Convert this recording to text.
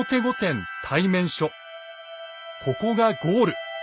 ここがゴール。